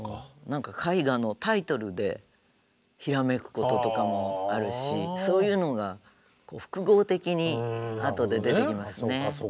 何か絵画のタイトルでひらめくこととかもあるしそういうのが複合的にあとで出てきますね。